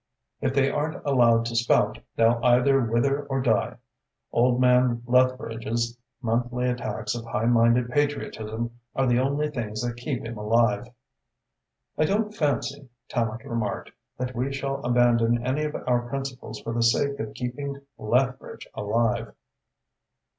"If they aren't allowed to spout, they'll either wither or die. Old man Lethbridge's monthly attacks of high minded patriotism are the only things that keep him alive." "I don't fancy," Tallente remarked, "that we shall abandon any of our principles for the sake of keeping Lethbridge alive."